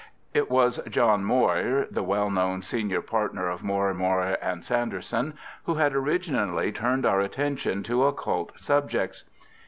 It was John Moir (the well known senior partner of Moir, Moir, and Sanderson) who had originally turned our attention to occult subjects.